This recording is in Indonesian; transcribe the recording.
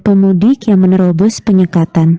pemudik yang menerobos penyekatan